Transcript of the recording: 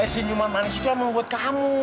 senyuman manis itu emang buat kamu